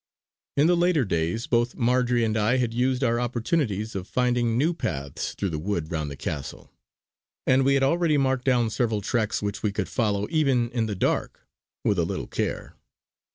In the later days both Marjory and I had used our opportunities of finding new paths through the wood round the castle; and we had already marked down several tracks which we could follow even in the dark with a little care.